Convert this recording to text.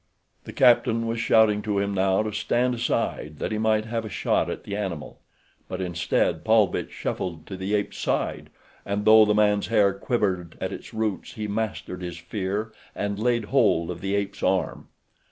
The captain was shouting to him now to stand aside that he might have a shot at the animal; but instead Paulvitch shuffled to the ape's side, and though the man's hair quivered at its roots he mastered his fear and laid hold of the ape's arm.